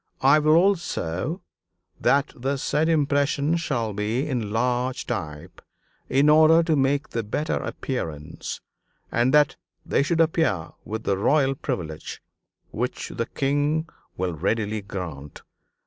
I will also that the said impression shall be in large type, in order to make the better appearance, and that they should appear with the Royal Privilege, which the King will readily grant.